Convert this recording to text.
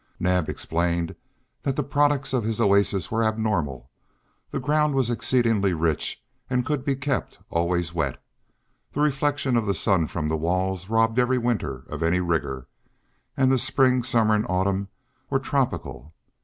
Naab explained that the products of his oasis were abnormal; the ground was exceedingly rich and could be kept always wet; the reflection of the sun from the walls robbed even winter of any rigor, and the spring, summer, and autumn were tropical.